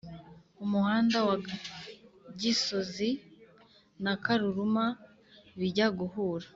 umuhanda wa gisozi na karuruma bijya guhura